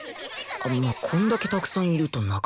まあこんだけたくさんいるとなかなか